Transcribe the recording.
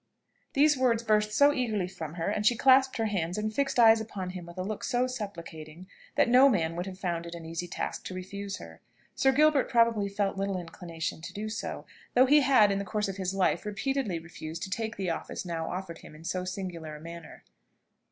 These words burst so eagerly from her, and she clasped her hands, and fixed eyes upon him with a look so supplicating, that no man would have found it an easy task to refuse her. Sir Gilbert probably felt little inclination to do so, though he had, in the course of his life, repeatedly refused to take the office now offered him in so singular a manner.